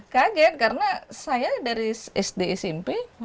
kaget karena saya dari sd smp